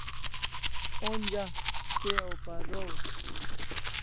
Onja se o paraw